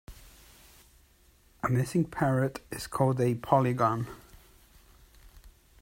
A missing parrot is called a polygon.